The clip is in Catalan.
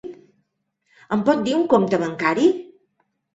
Em pot dir un compte bancari?